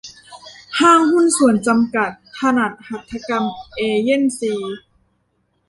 ห้างหุ้นส่วนจำกัด ถนัดหัตถกรรมเอเยนซี